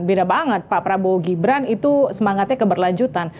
beda banget pak prabowo gibran itu semangatnya keberlanjutan